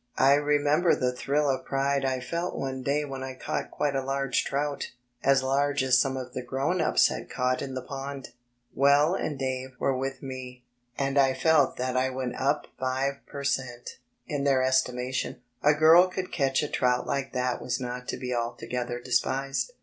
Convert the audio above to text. I remember the thrill of pride I felt one day when I caught quite a large trout, as large as some of the grown ups had caught in the pond. Well and Dave were with me, and D,i„Mb, Google I felt that I went up five per cent, in their estimation. A girl who could catch a trout like that was not to be altogether despised.